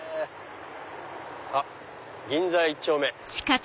あっ「銀座一丁目」。